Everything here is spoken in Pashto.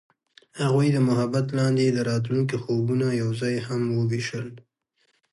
هغوی د محبت لاندې د راتلونکي خوبونه یوځای هم وویشل.